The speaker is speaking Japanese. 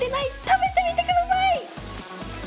食べてみて下さい！